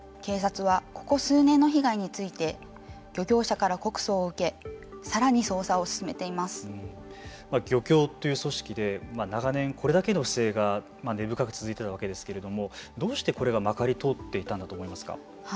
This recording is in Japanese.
警察は、ここ数年の被害について漁業者から告訴を受け漁協という組織で長年、これだけの不正が根深く続いていたわけですけれどもどうして、これがまかり通っていたんだと思いますか。